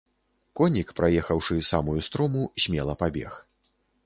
Конік, праехаўшы самую строму, смела пабег.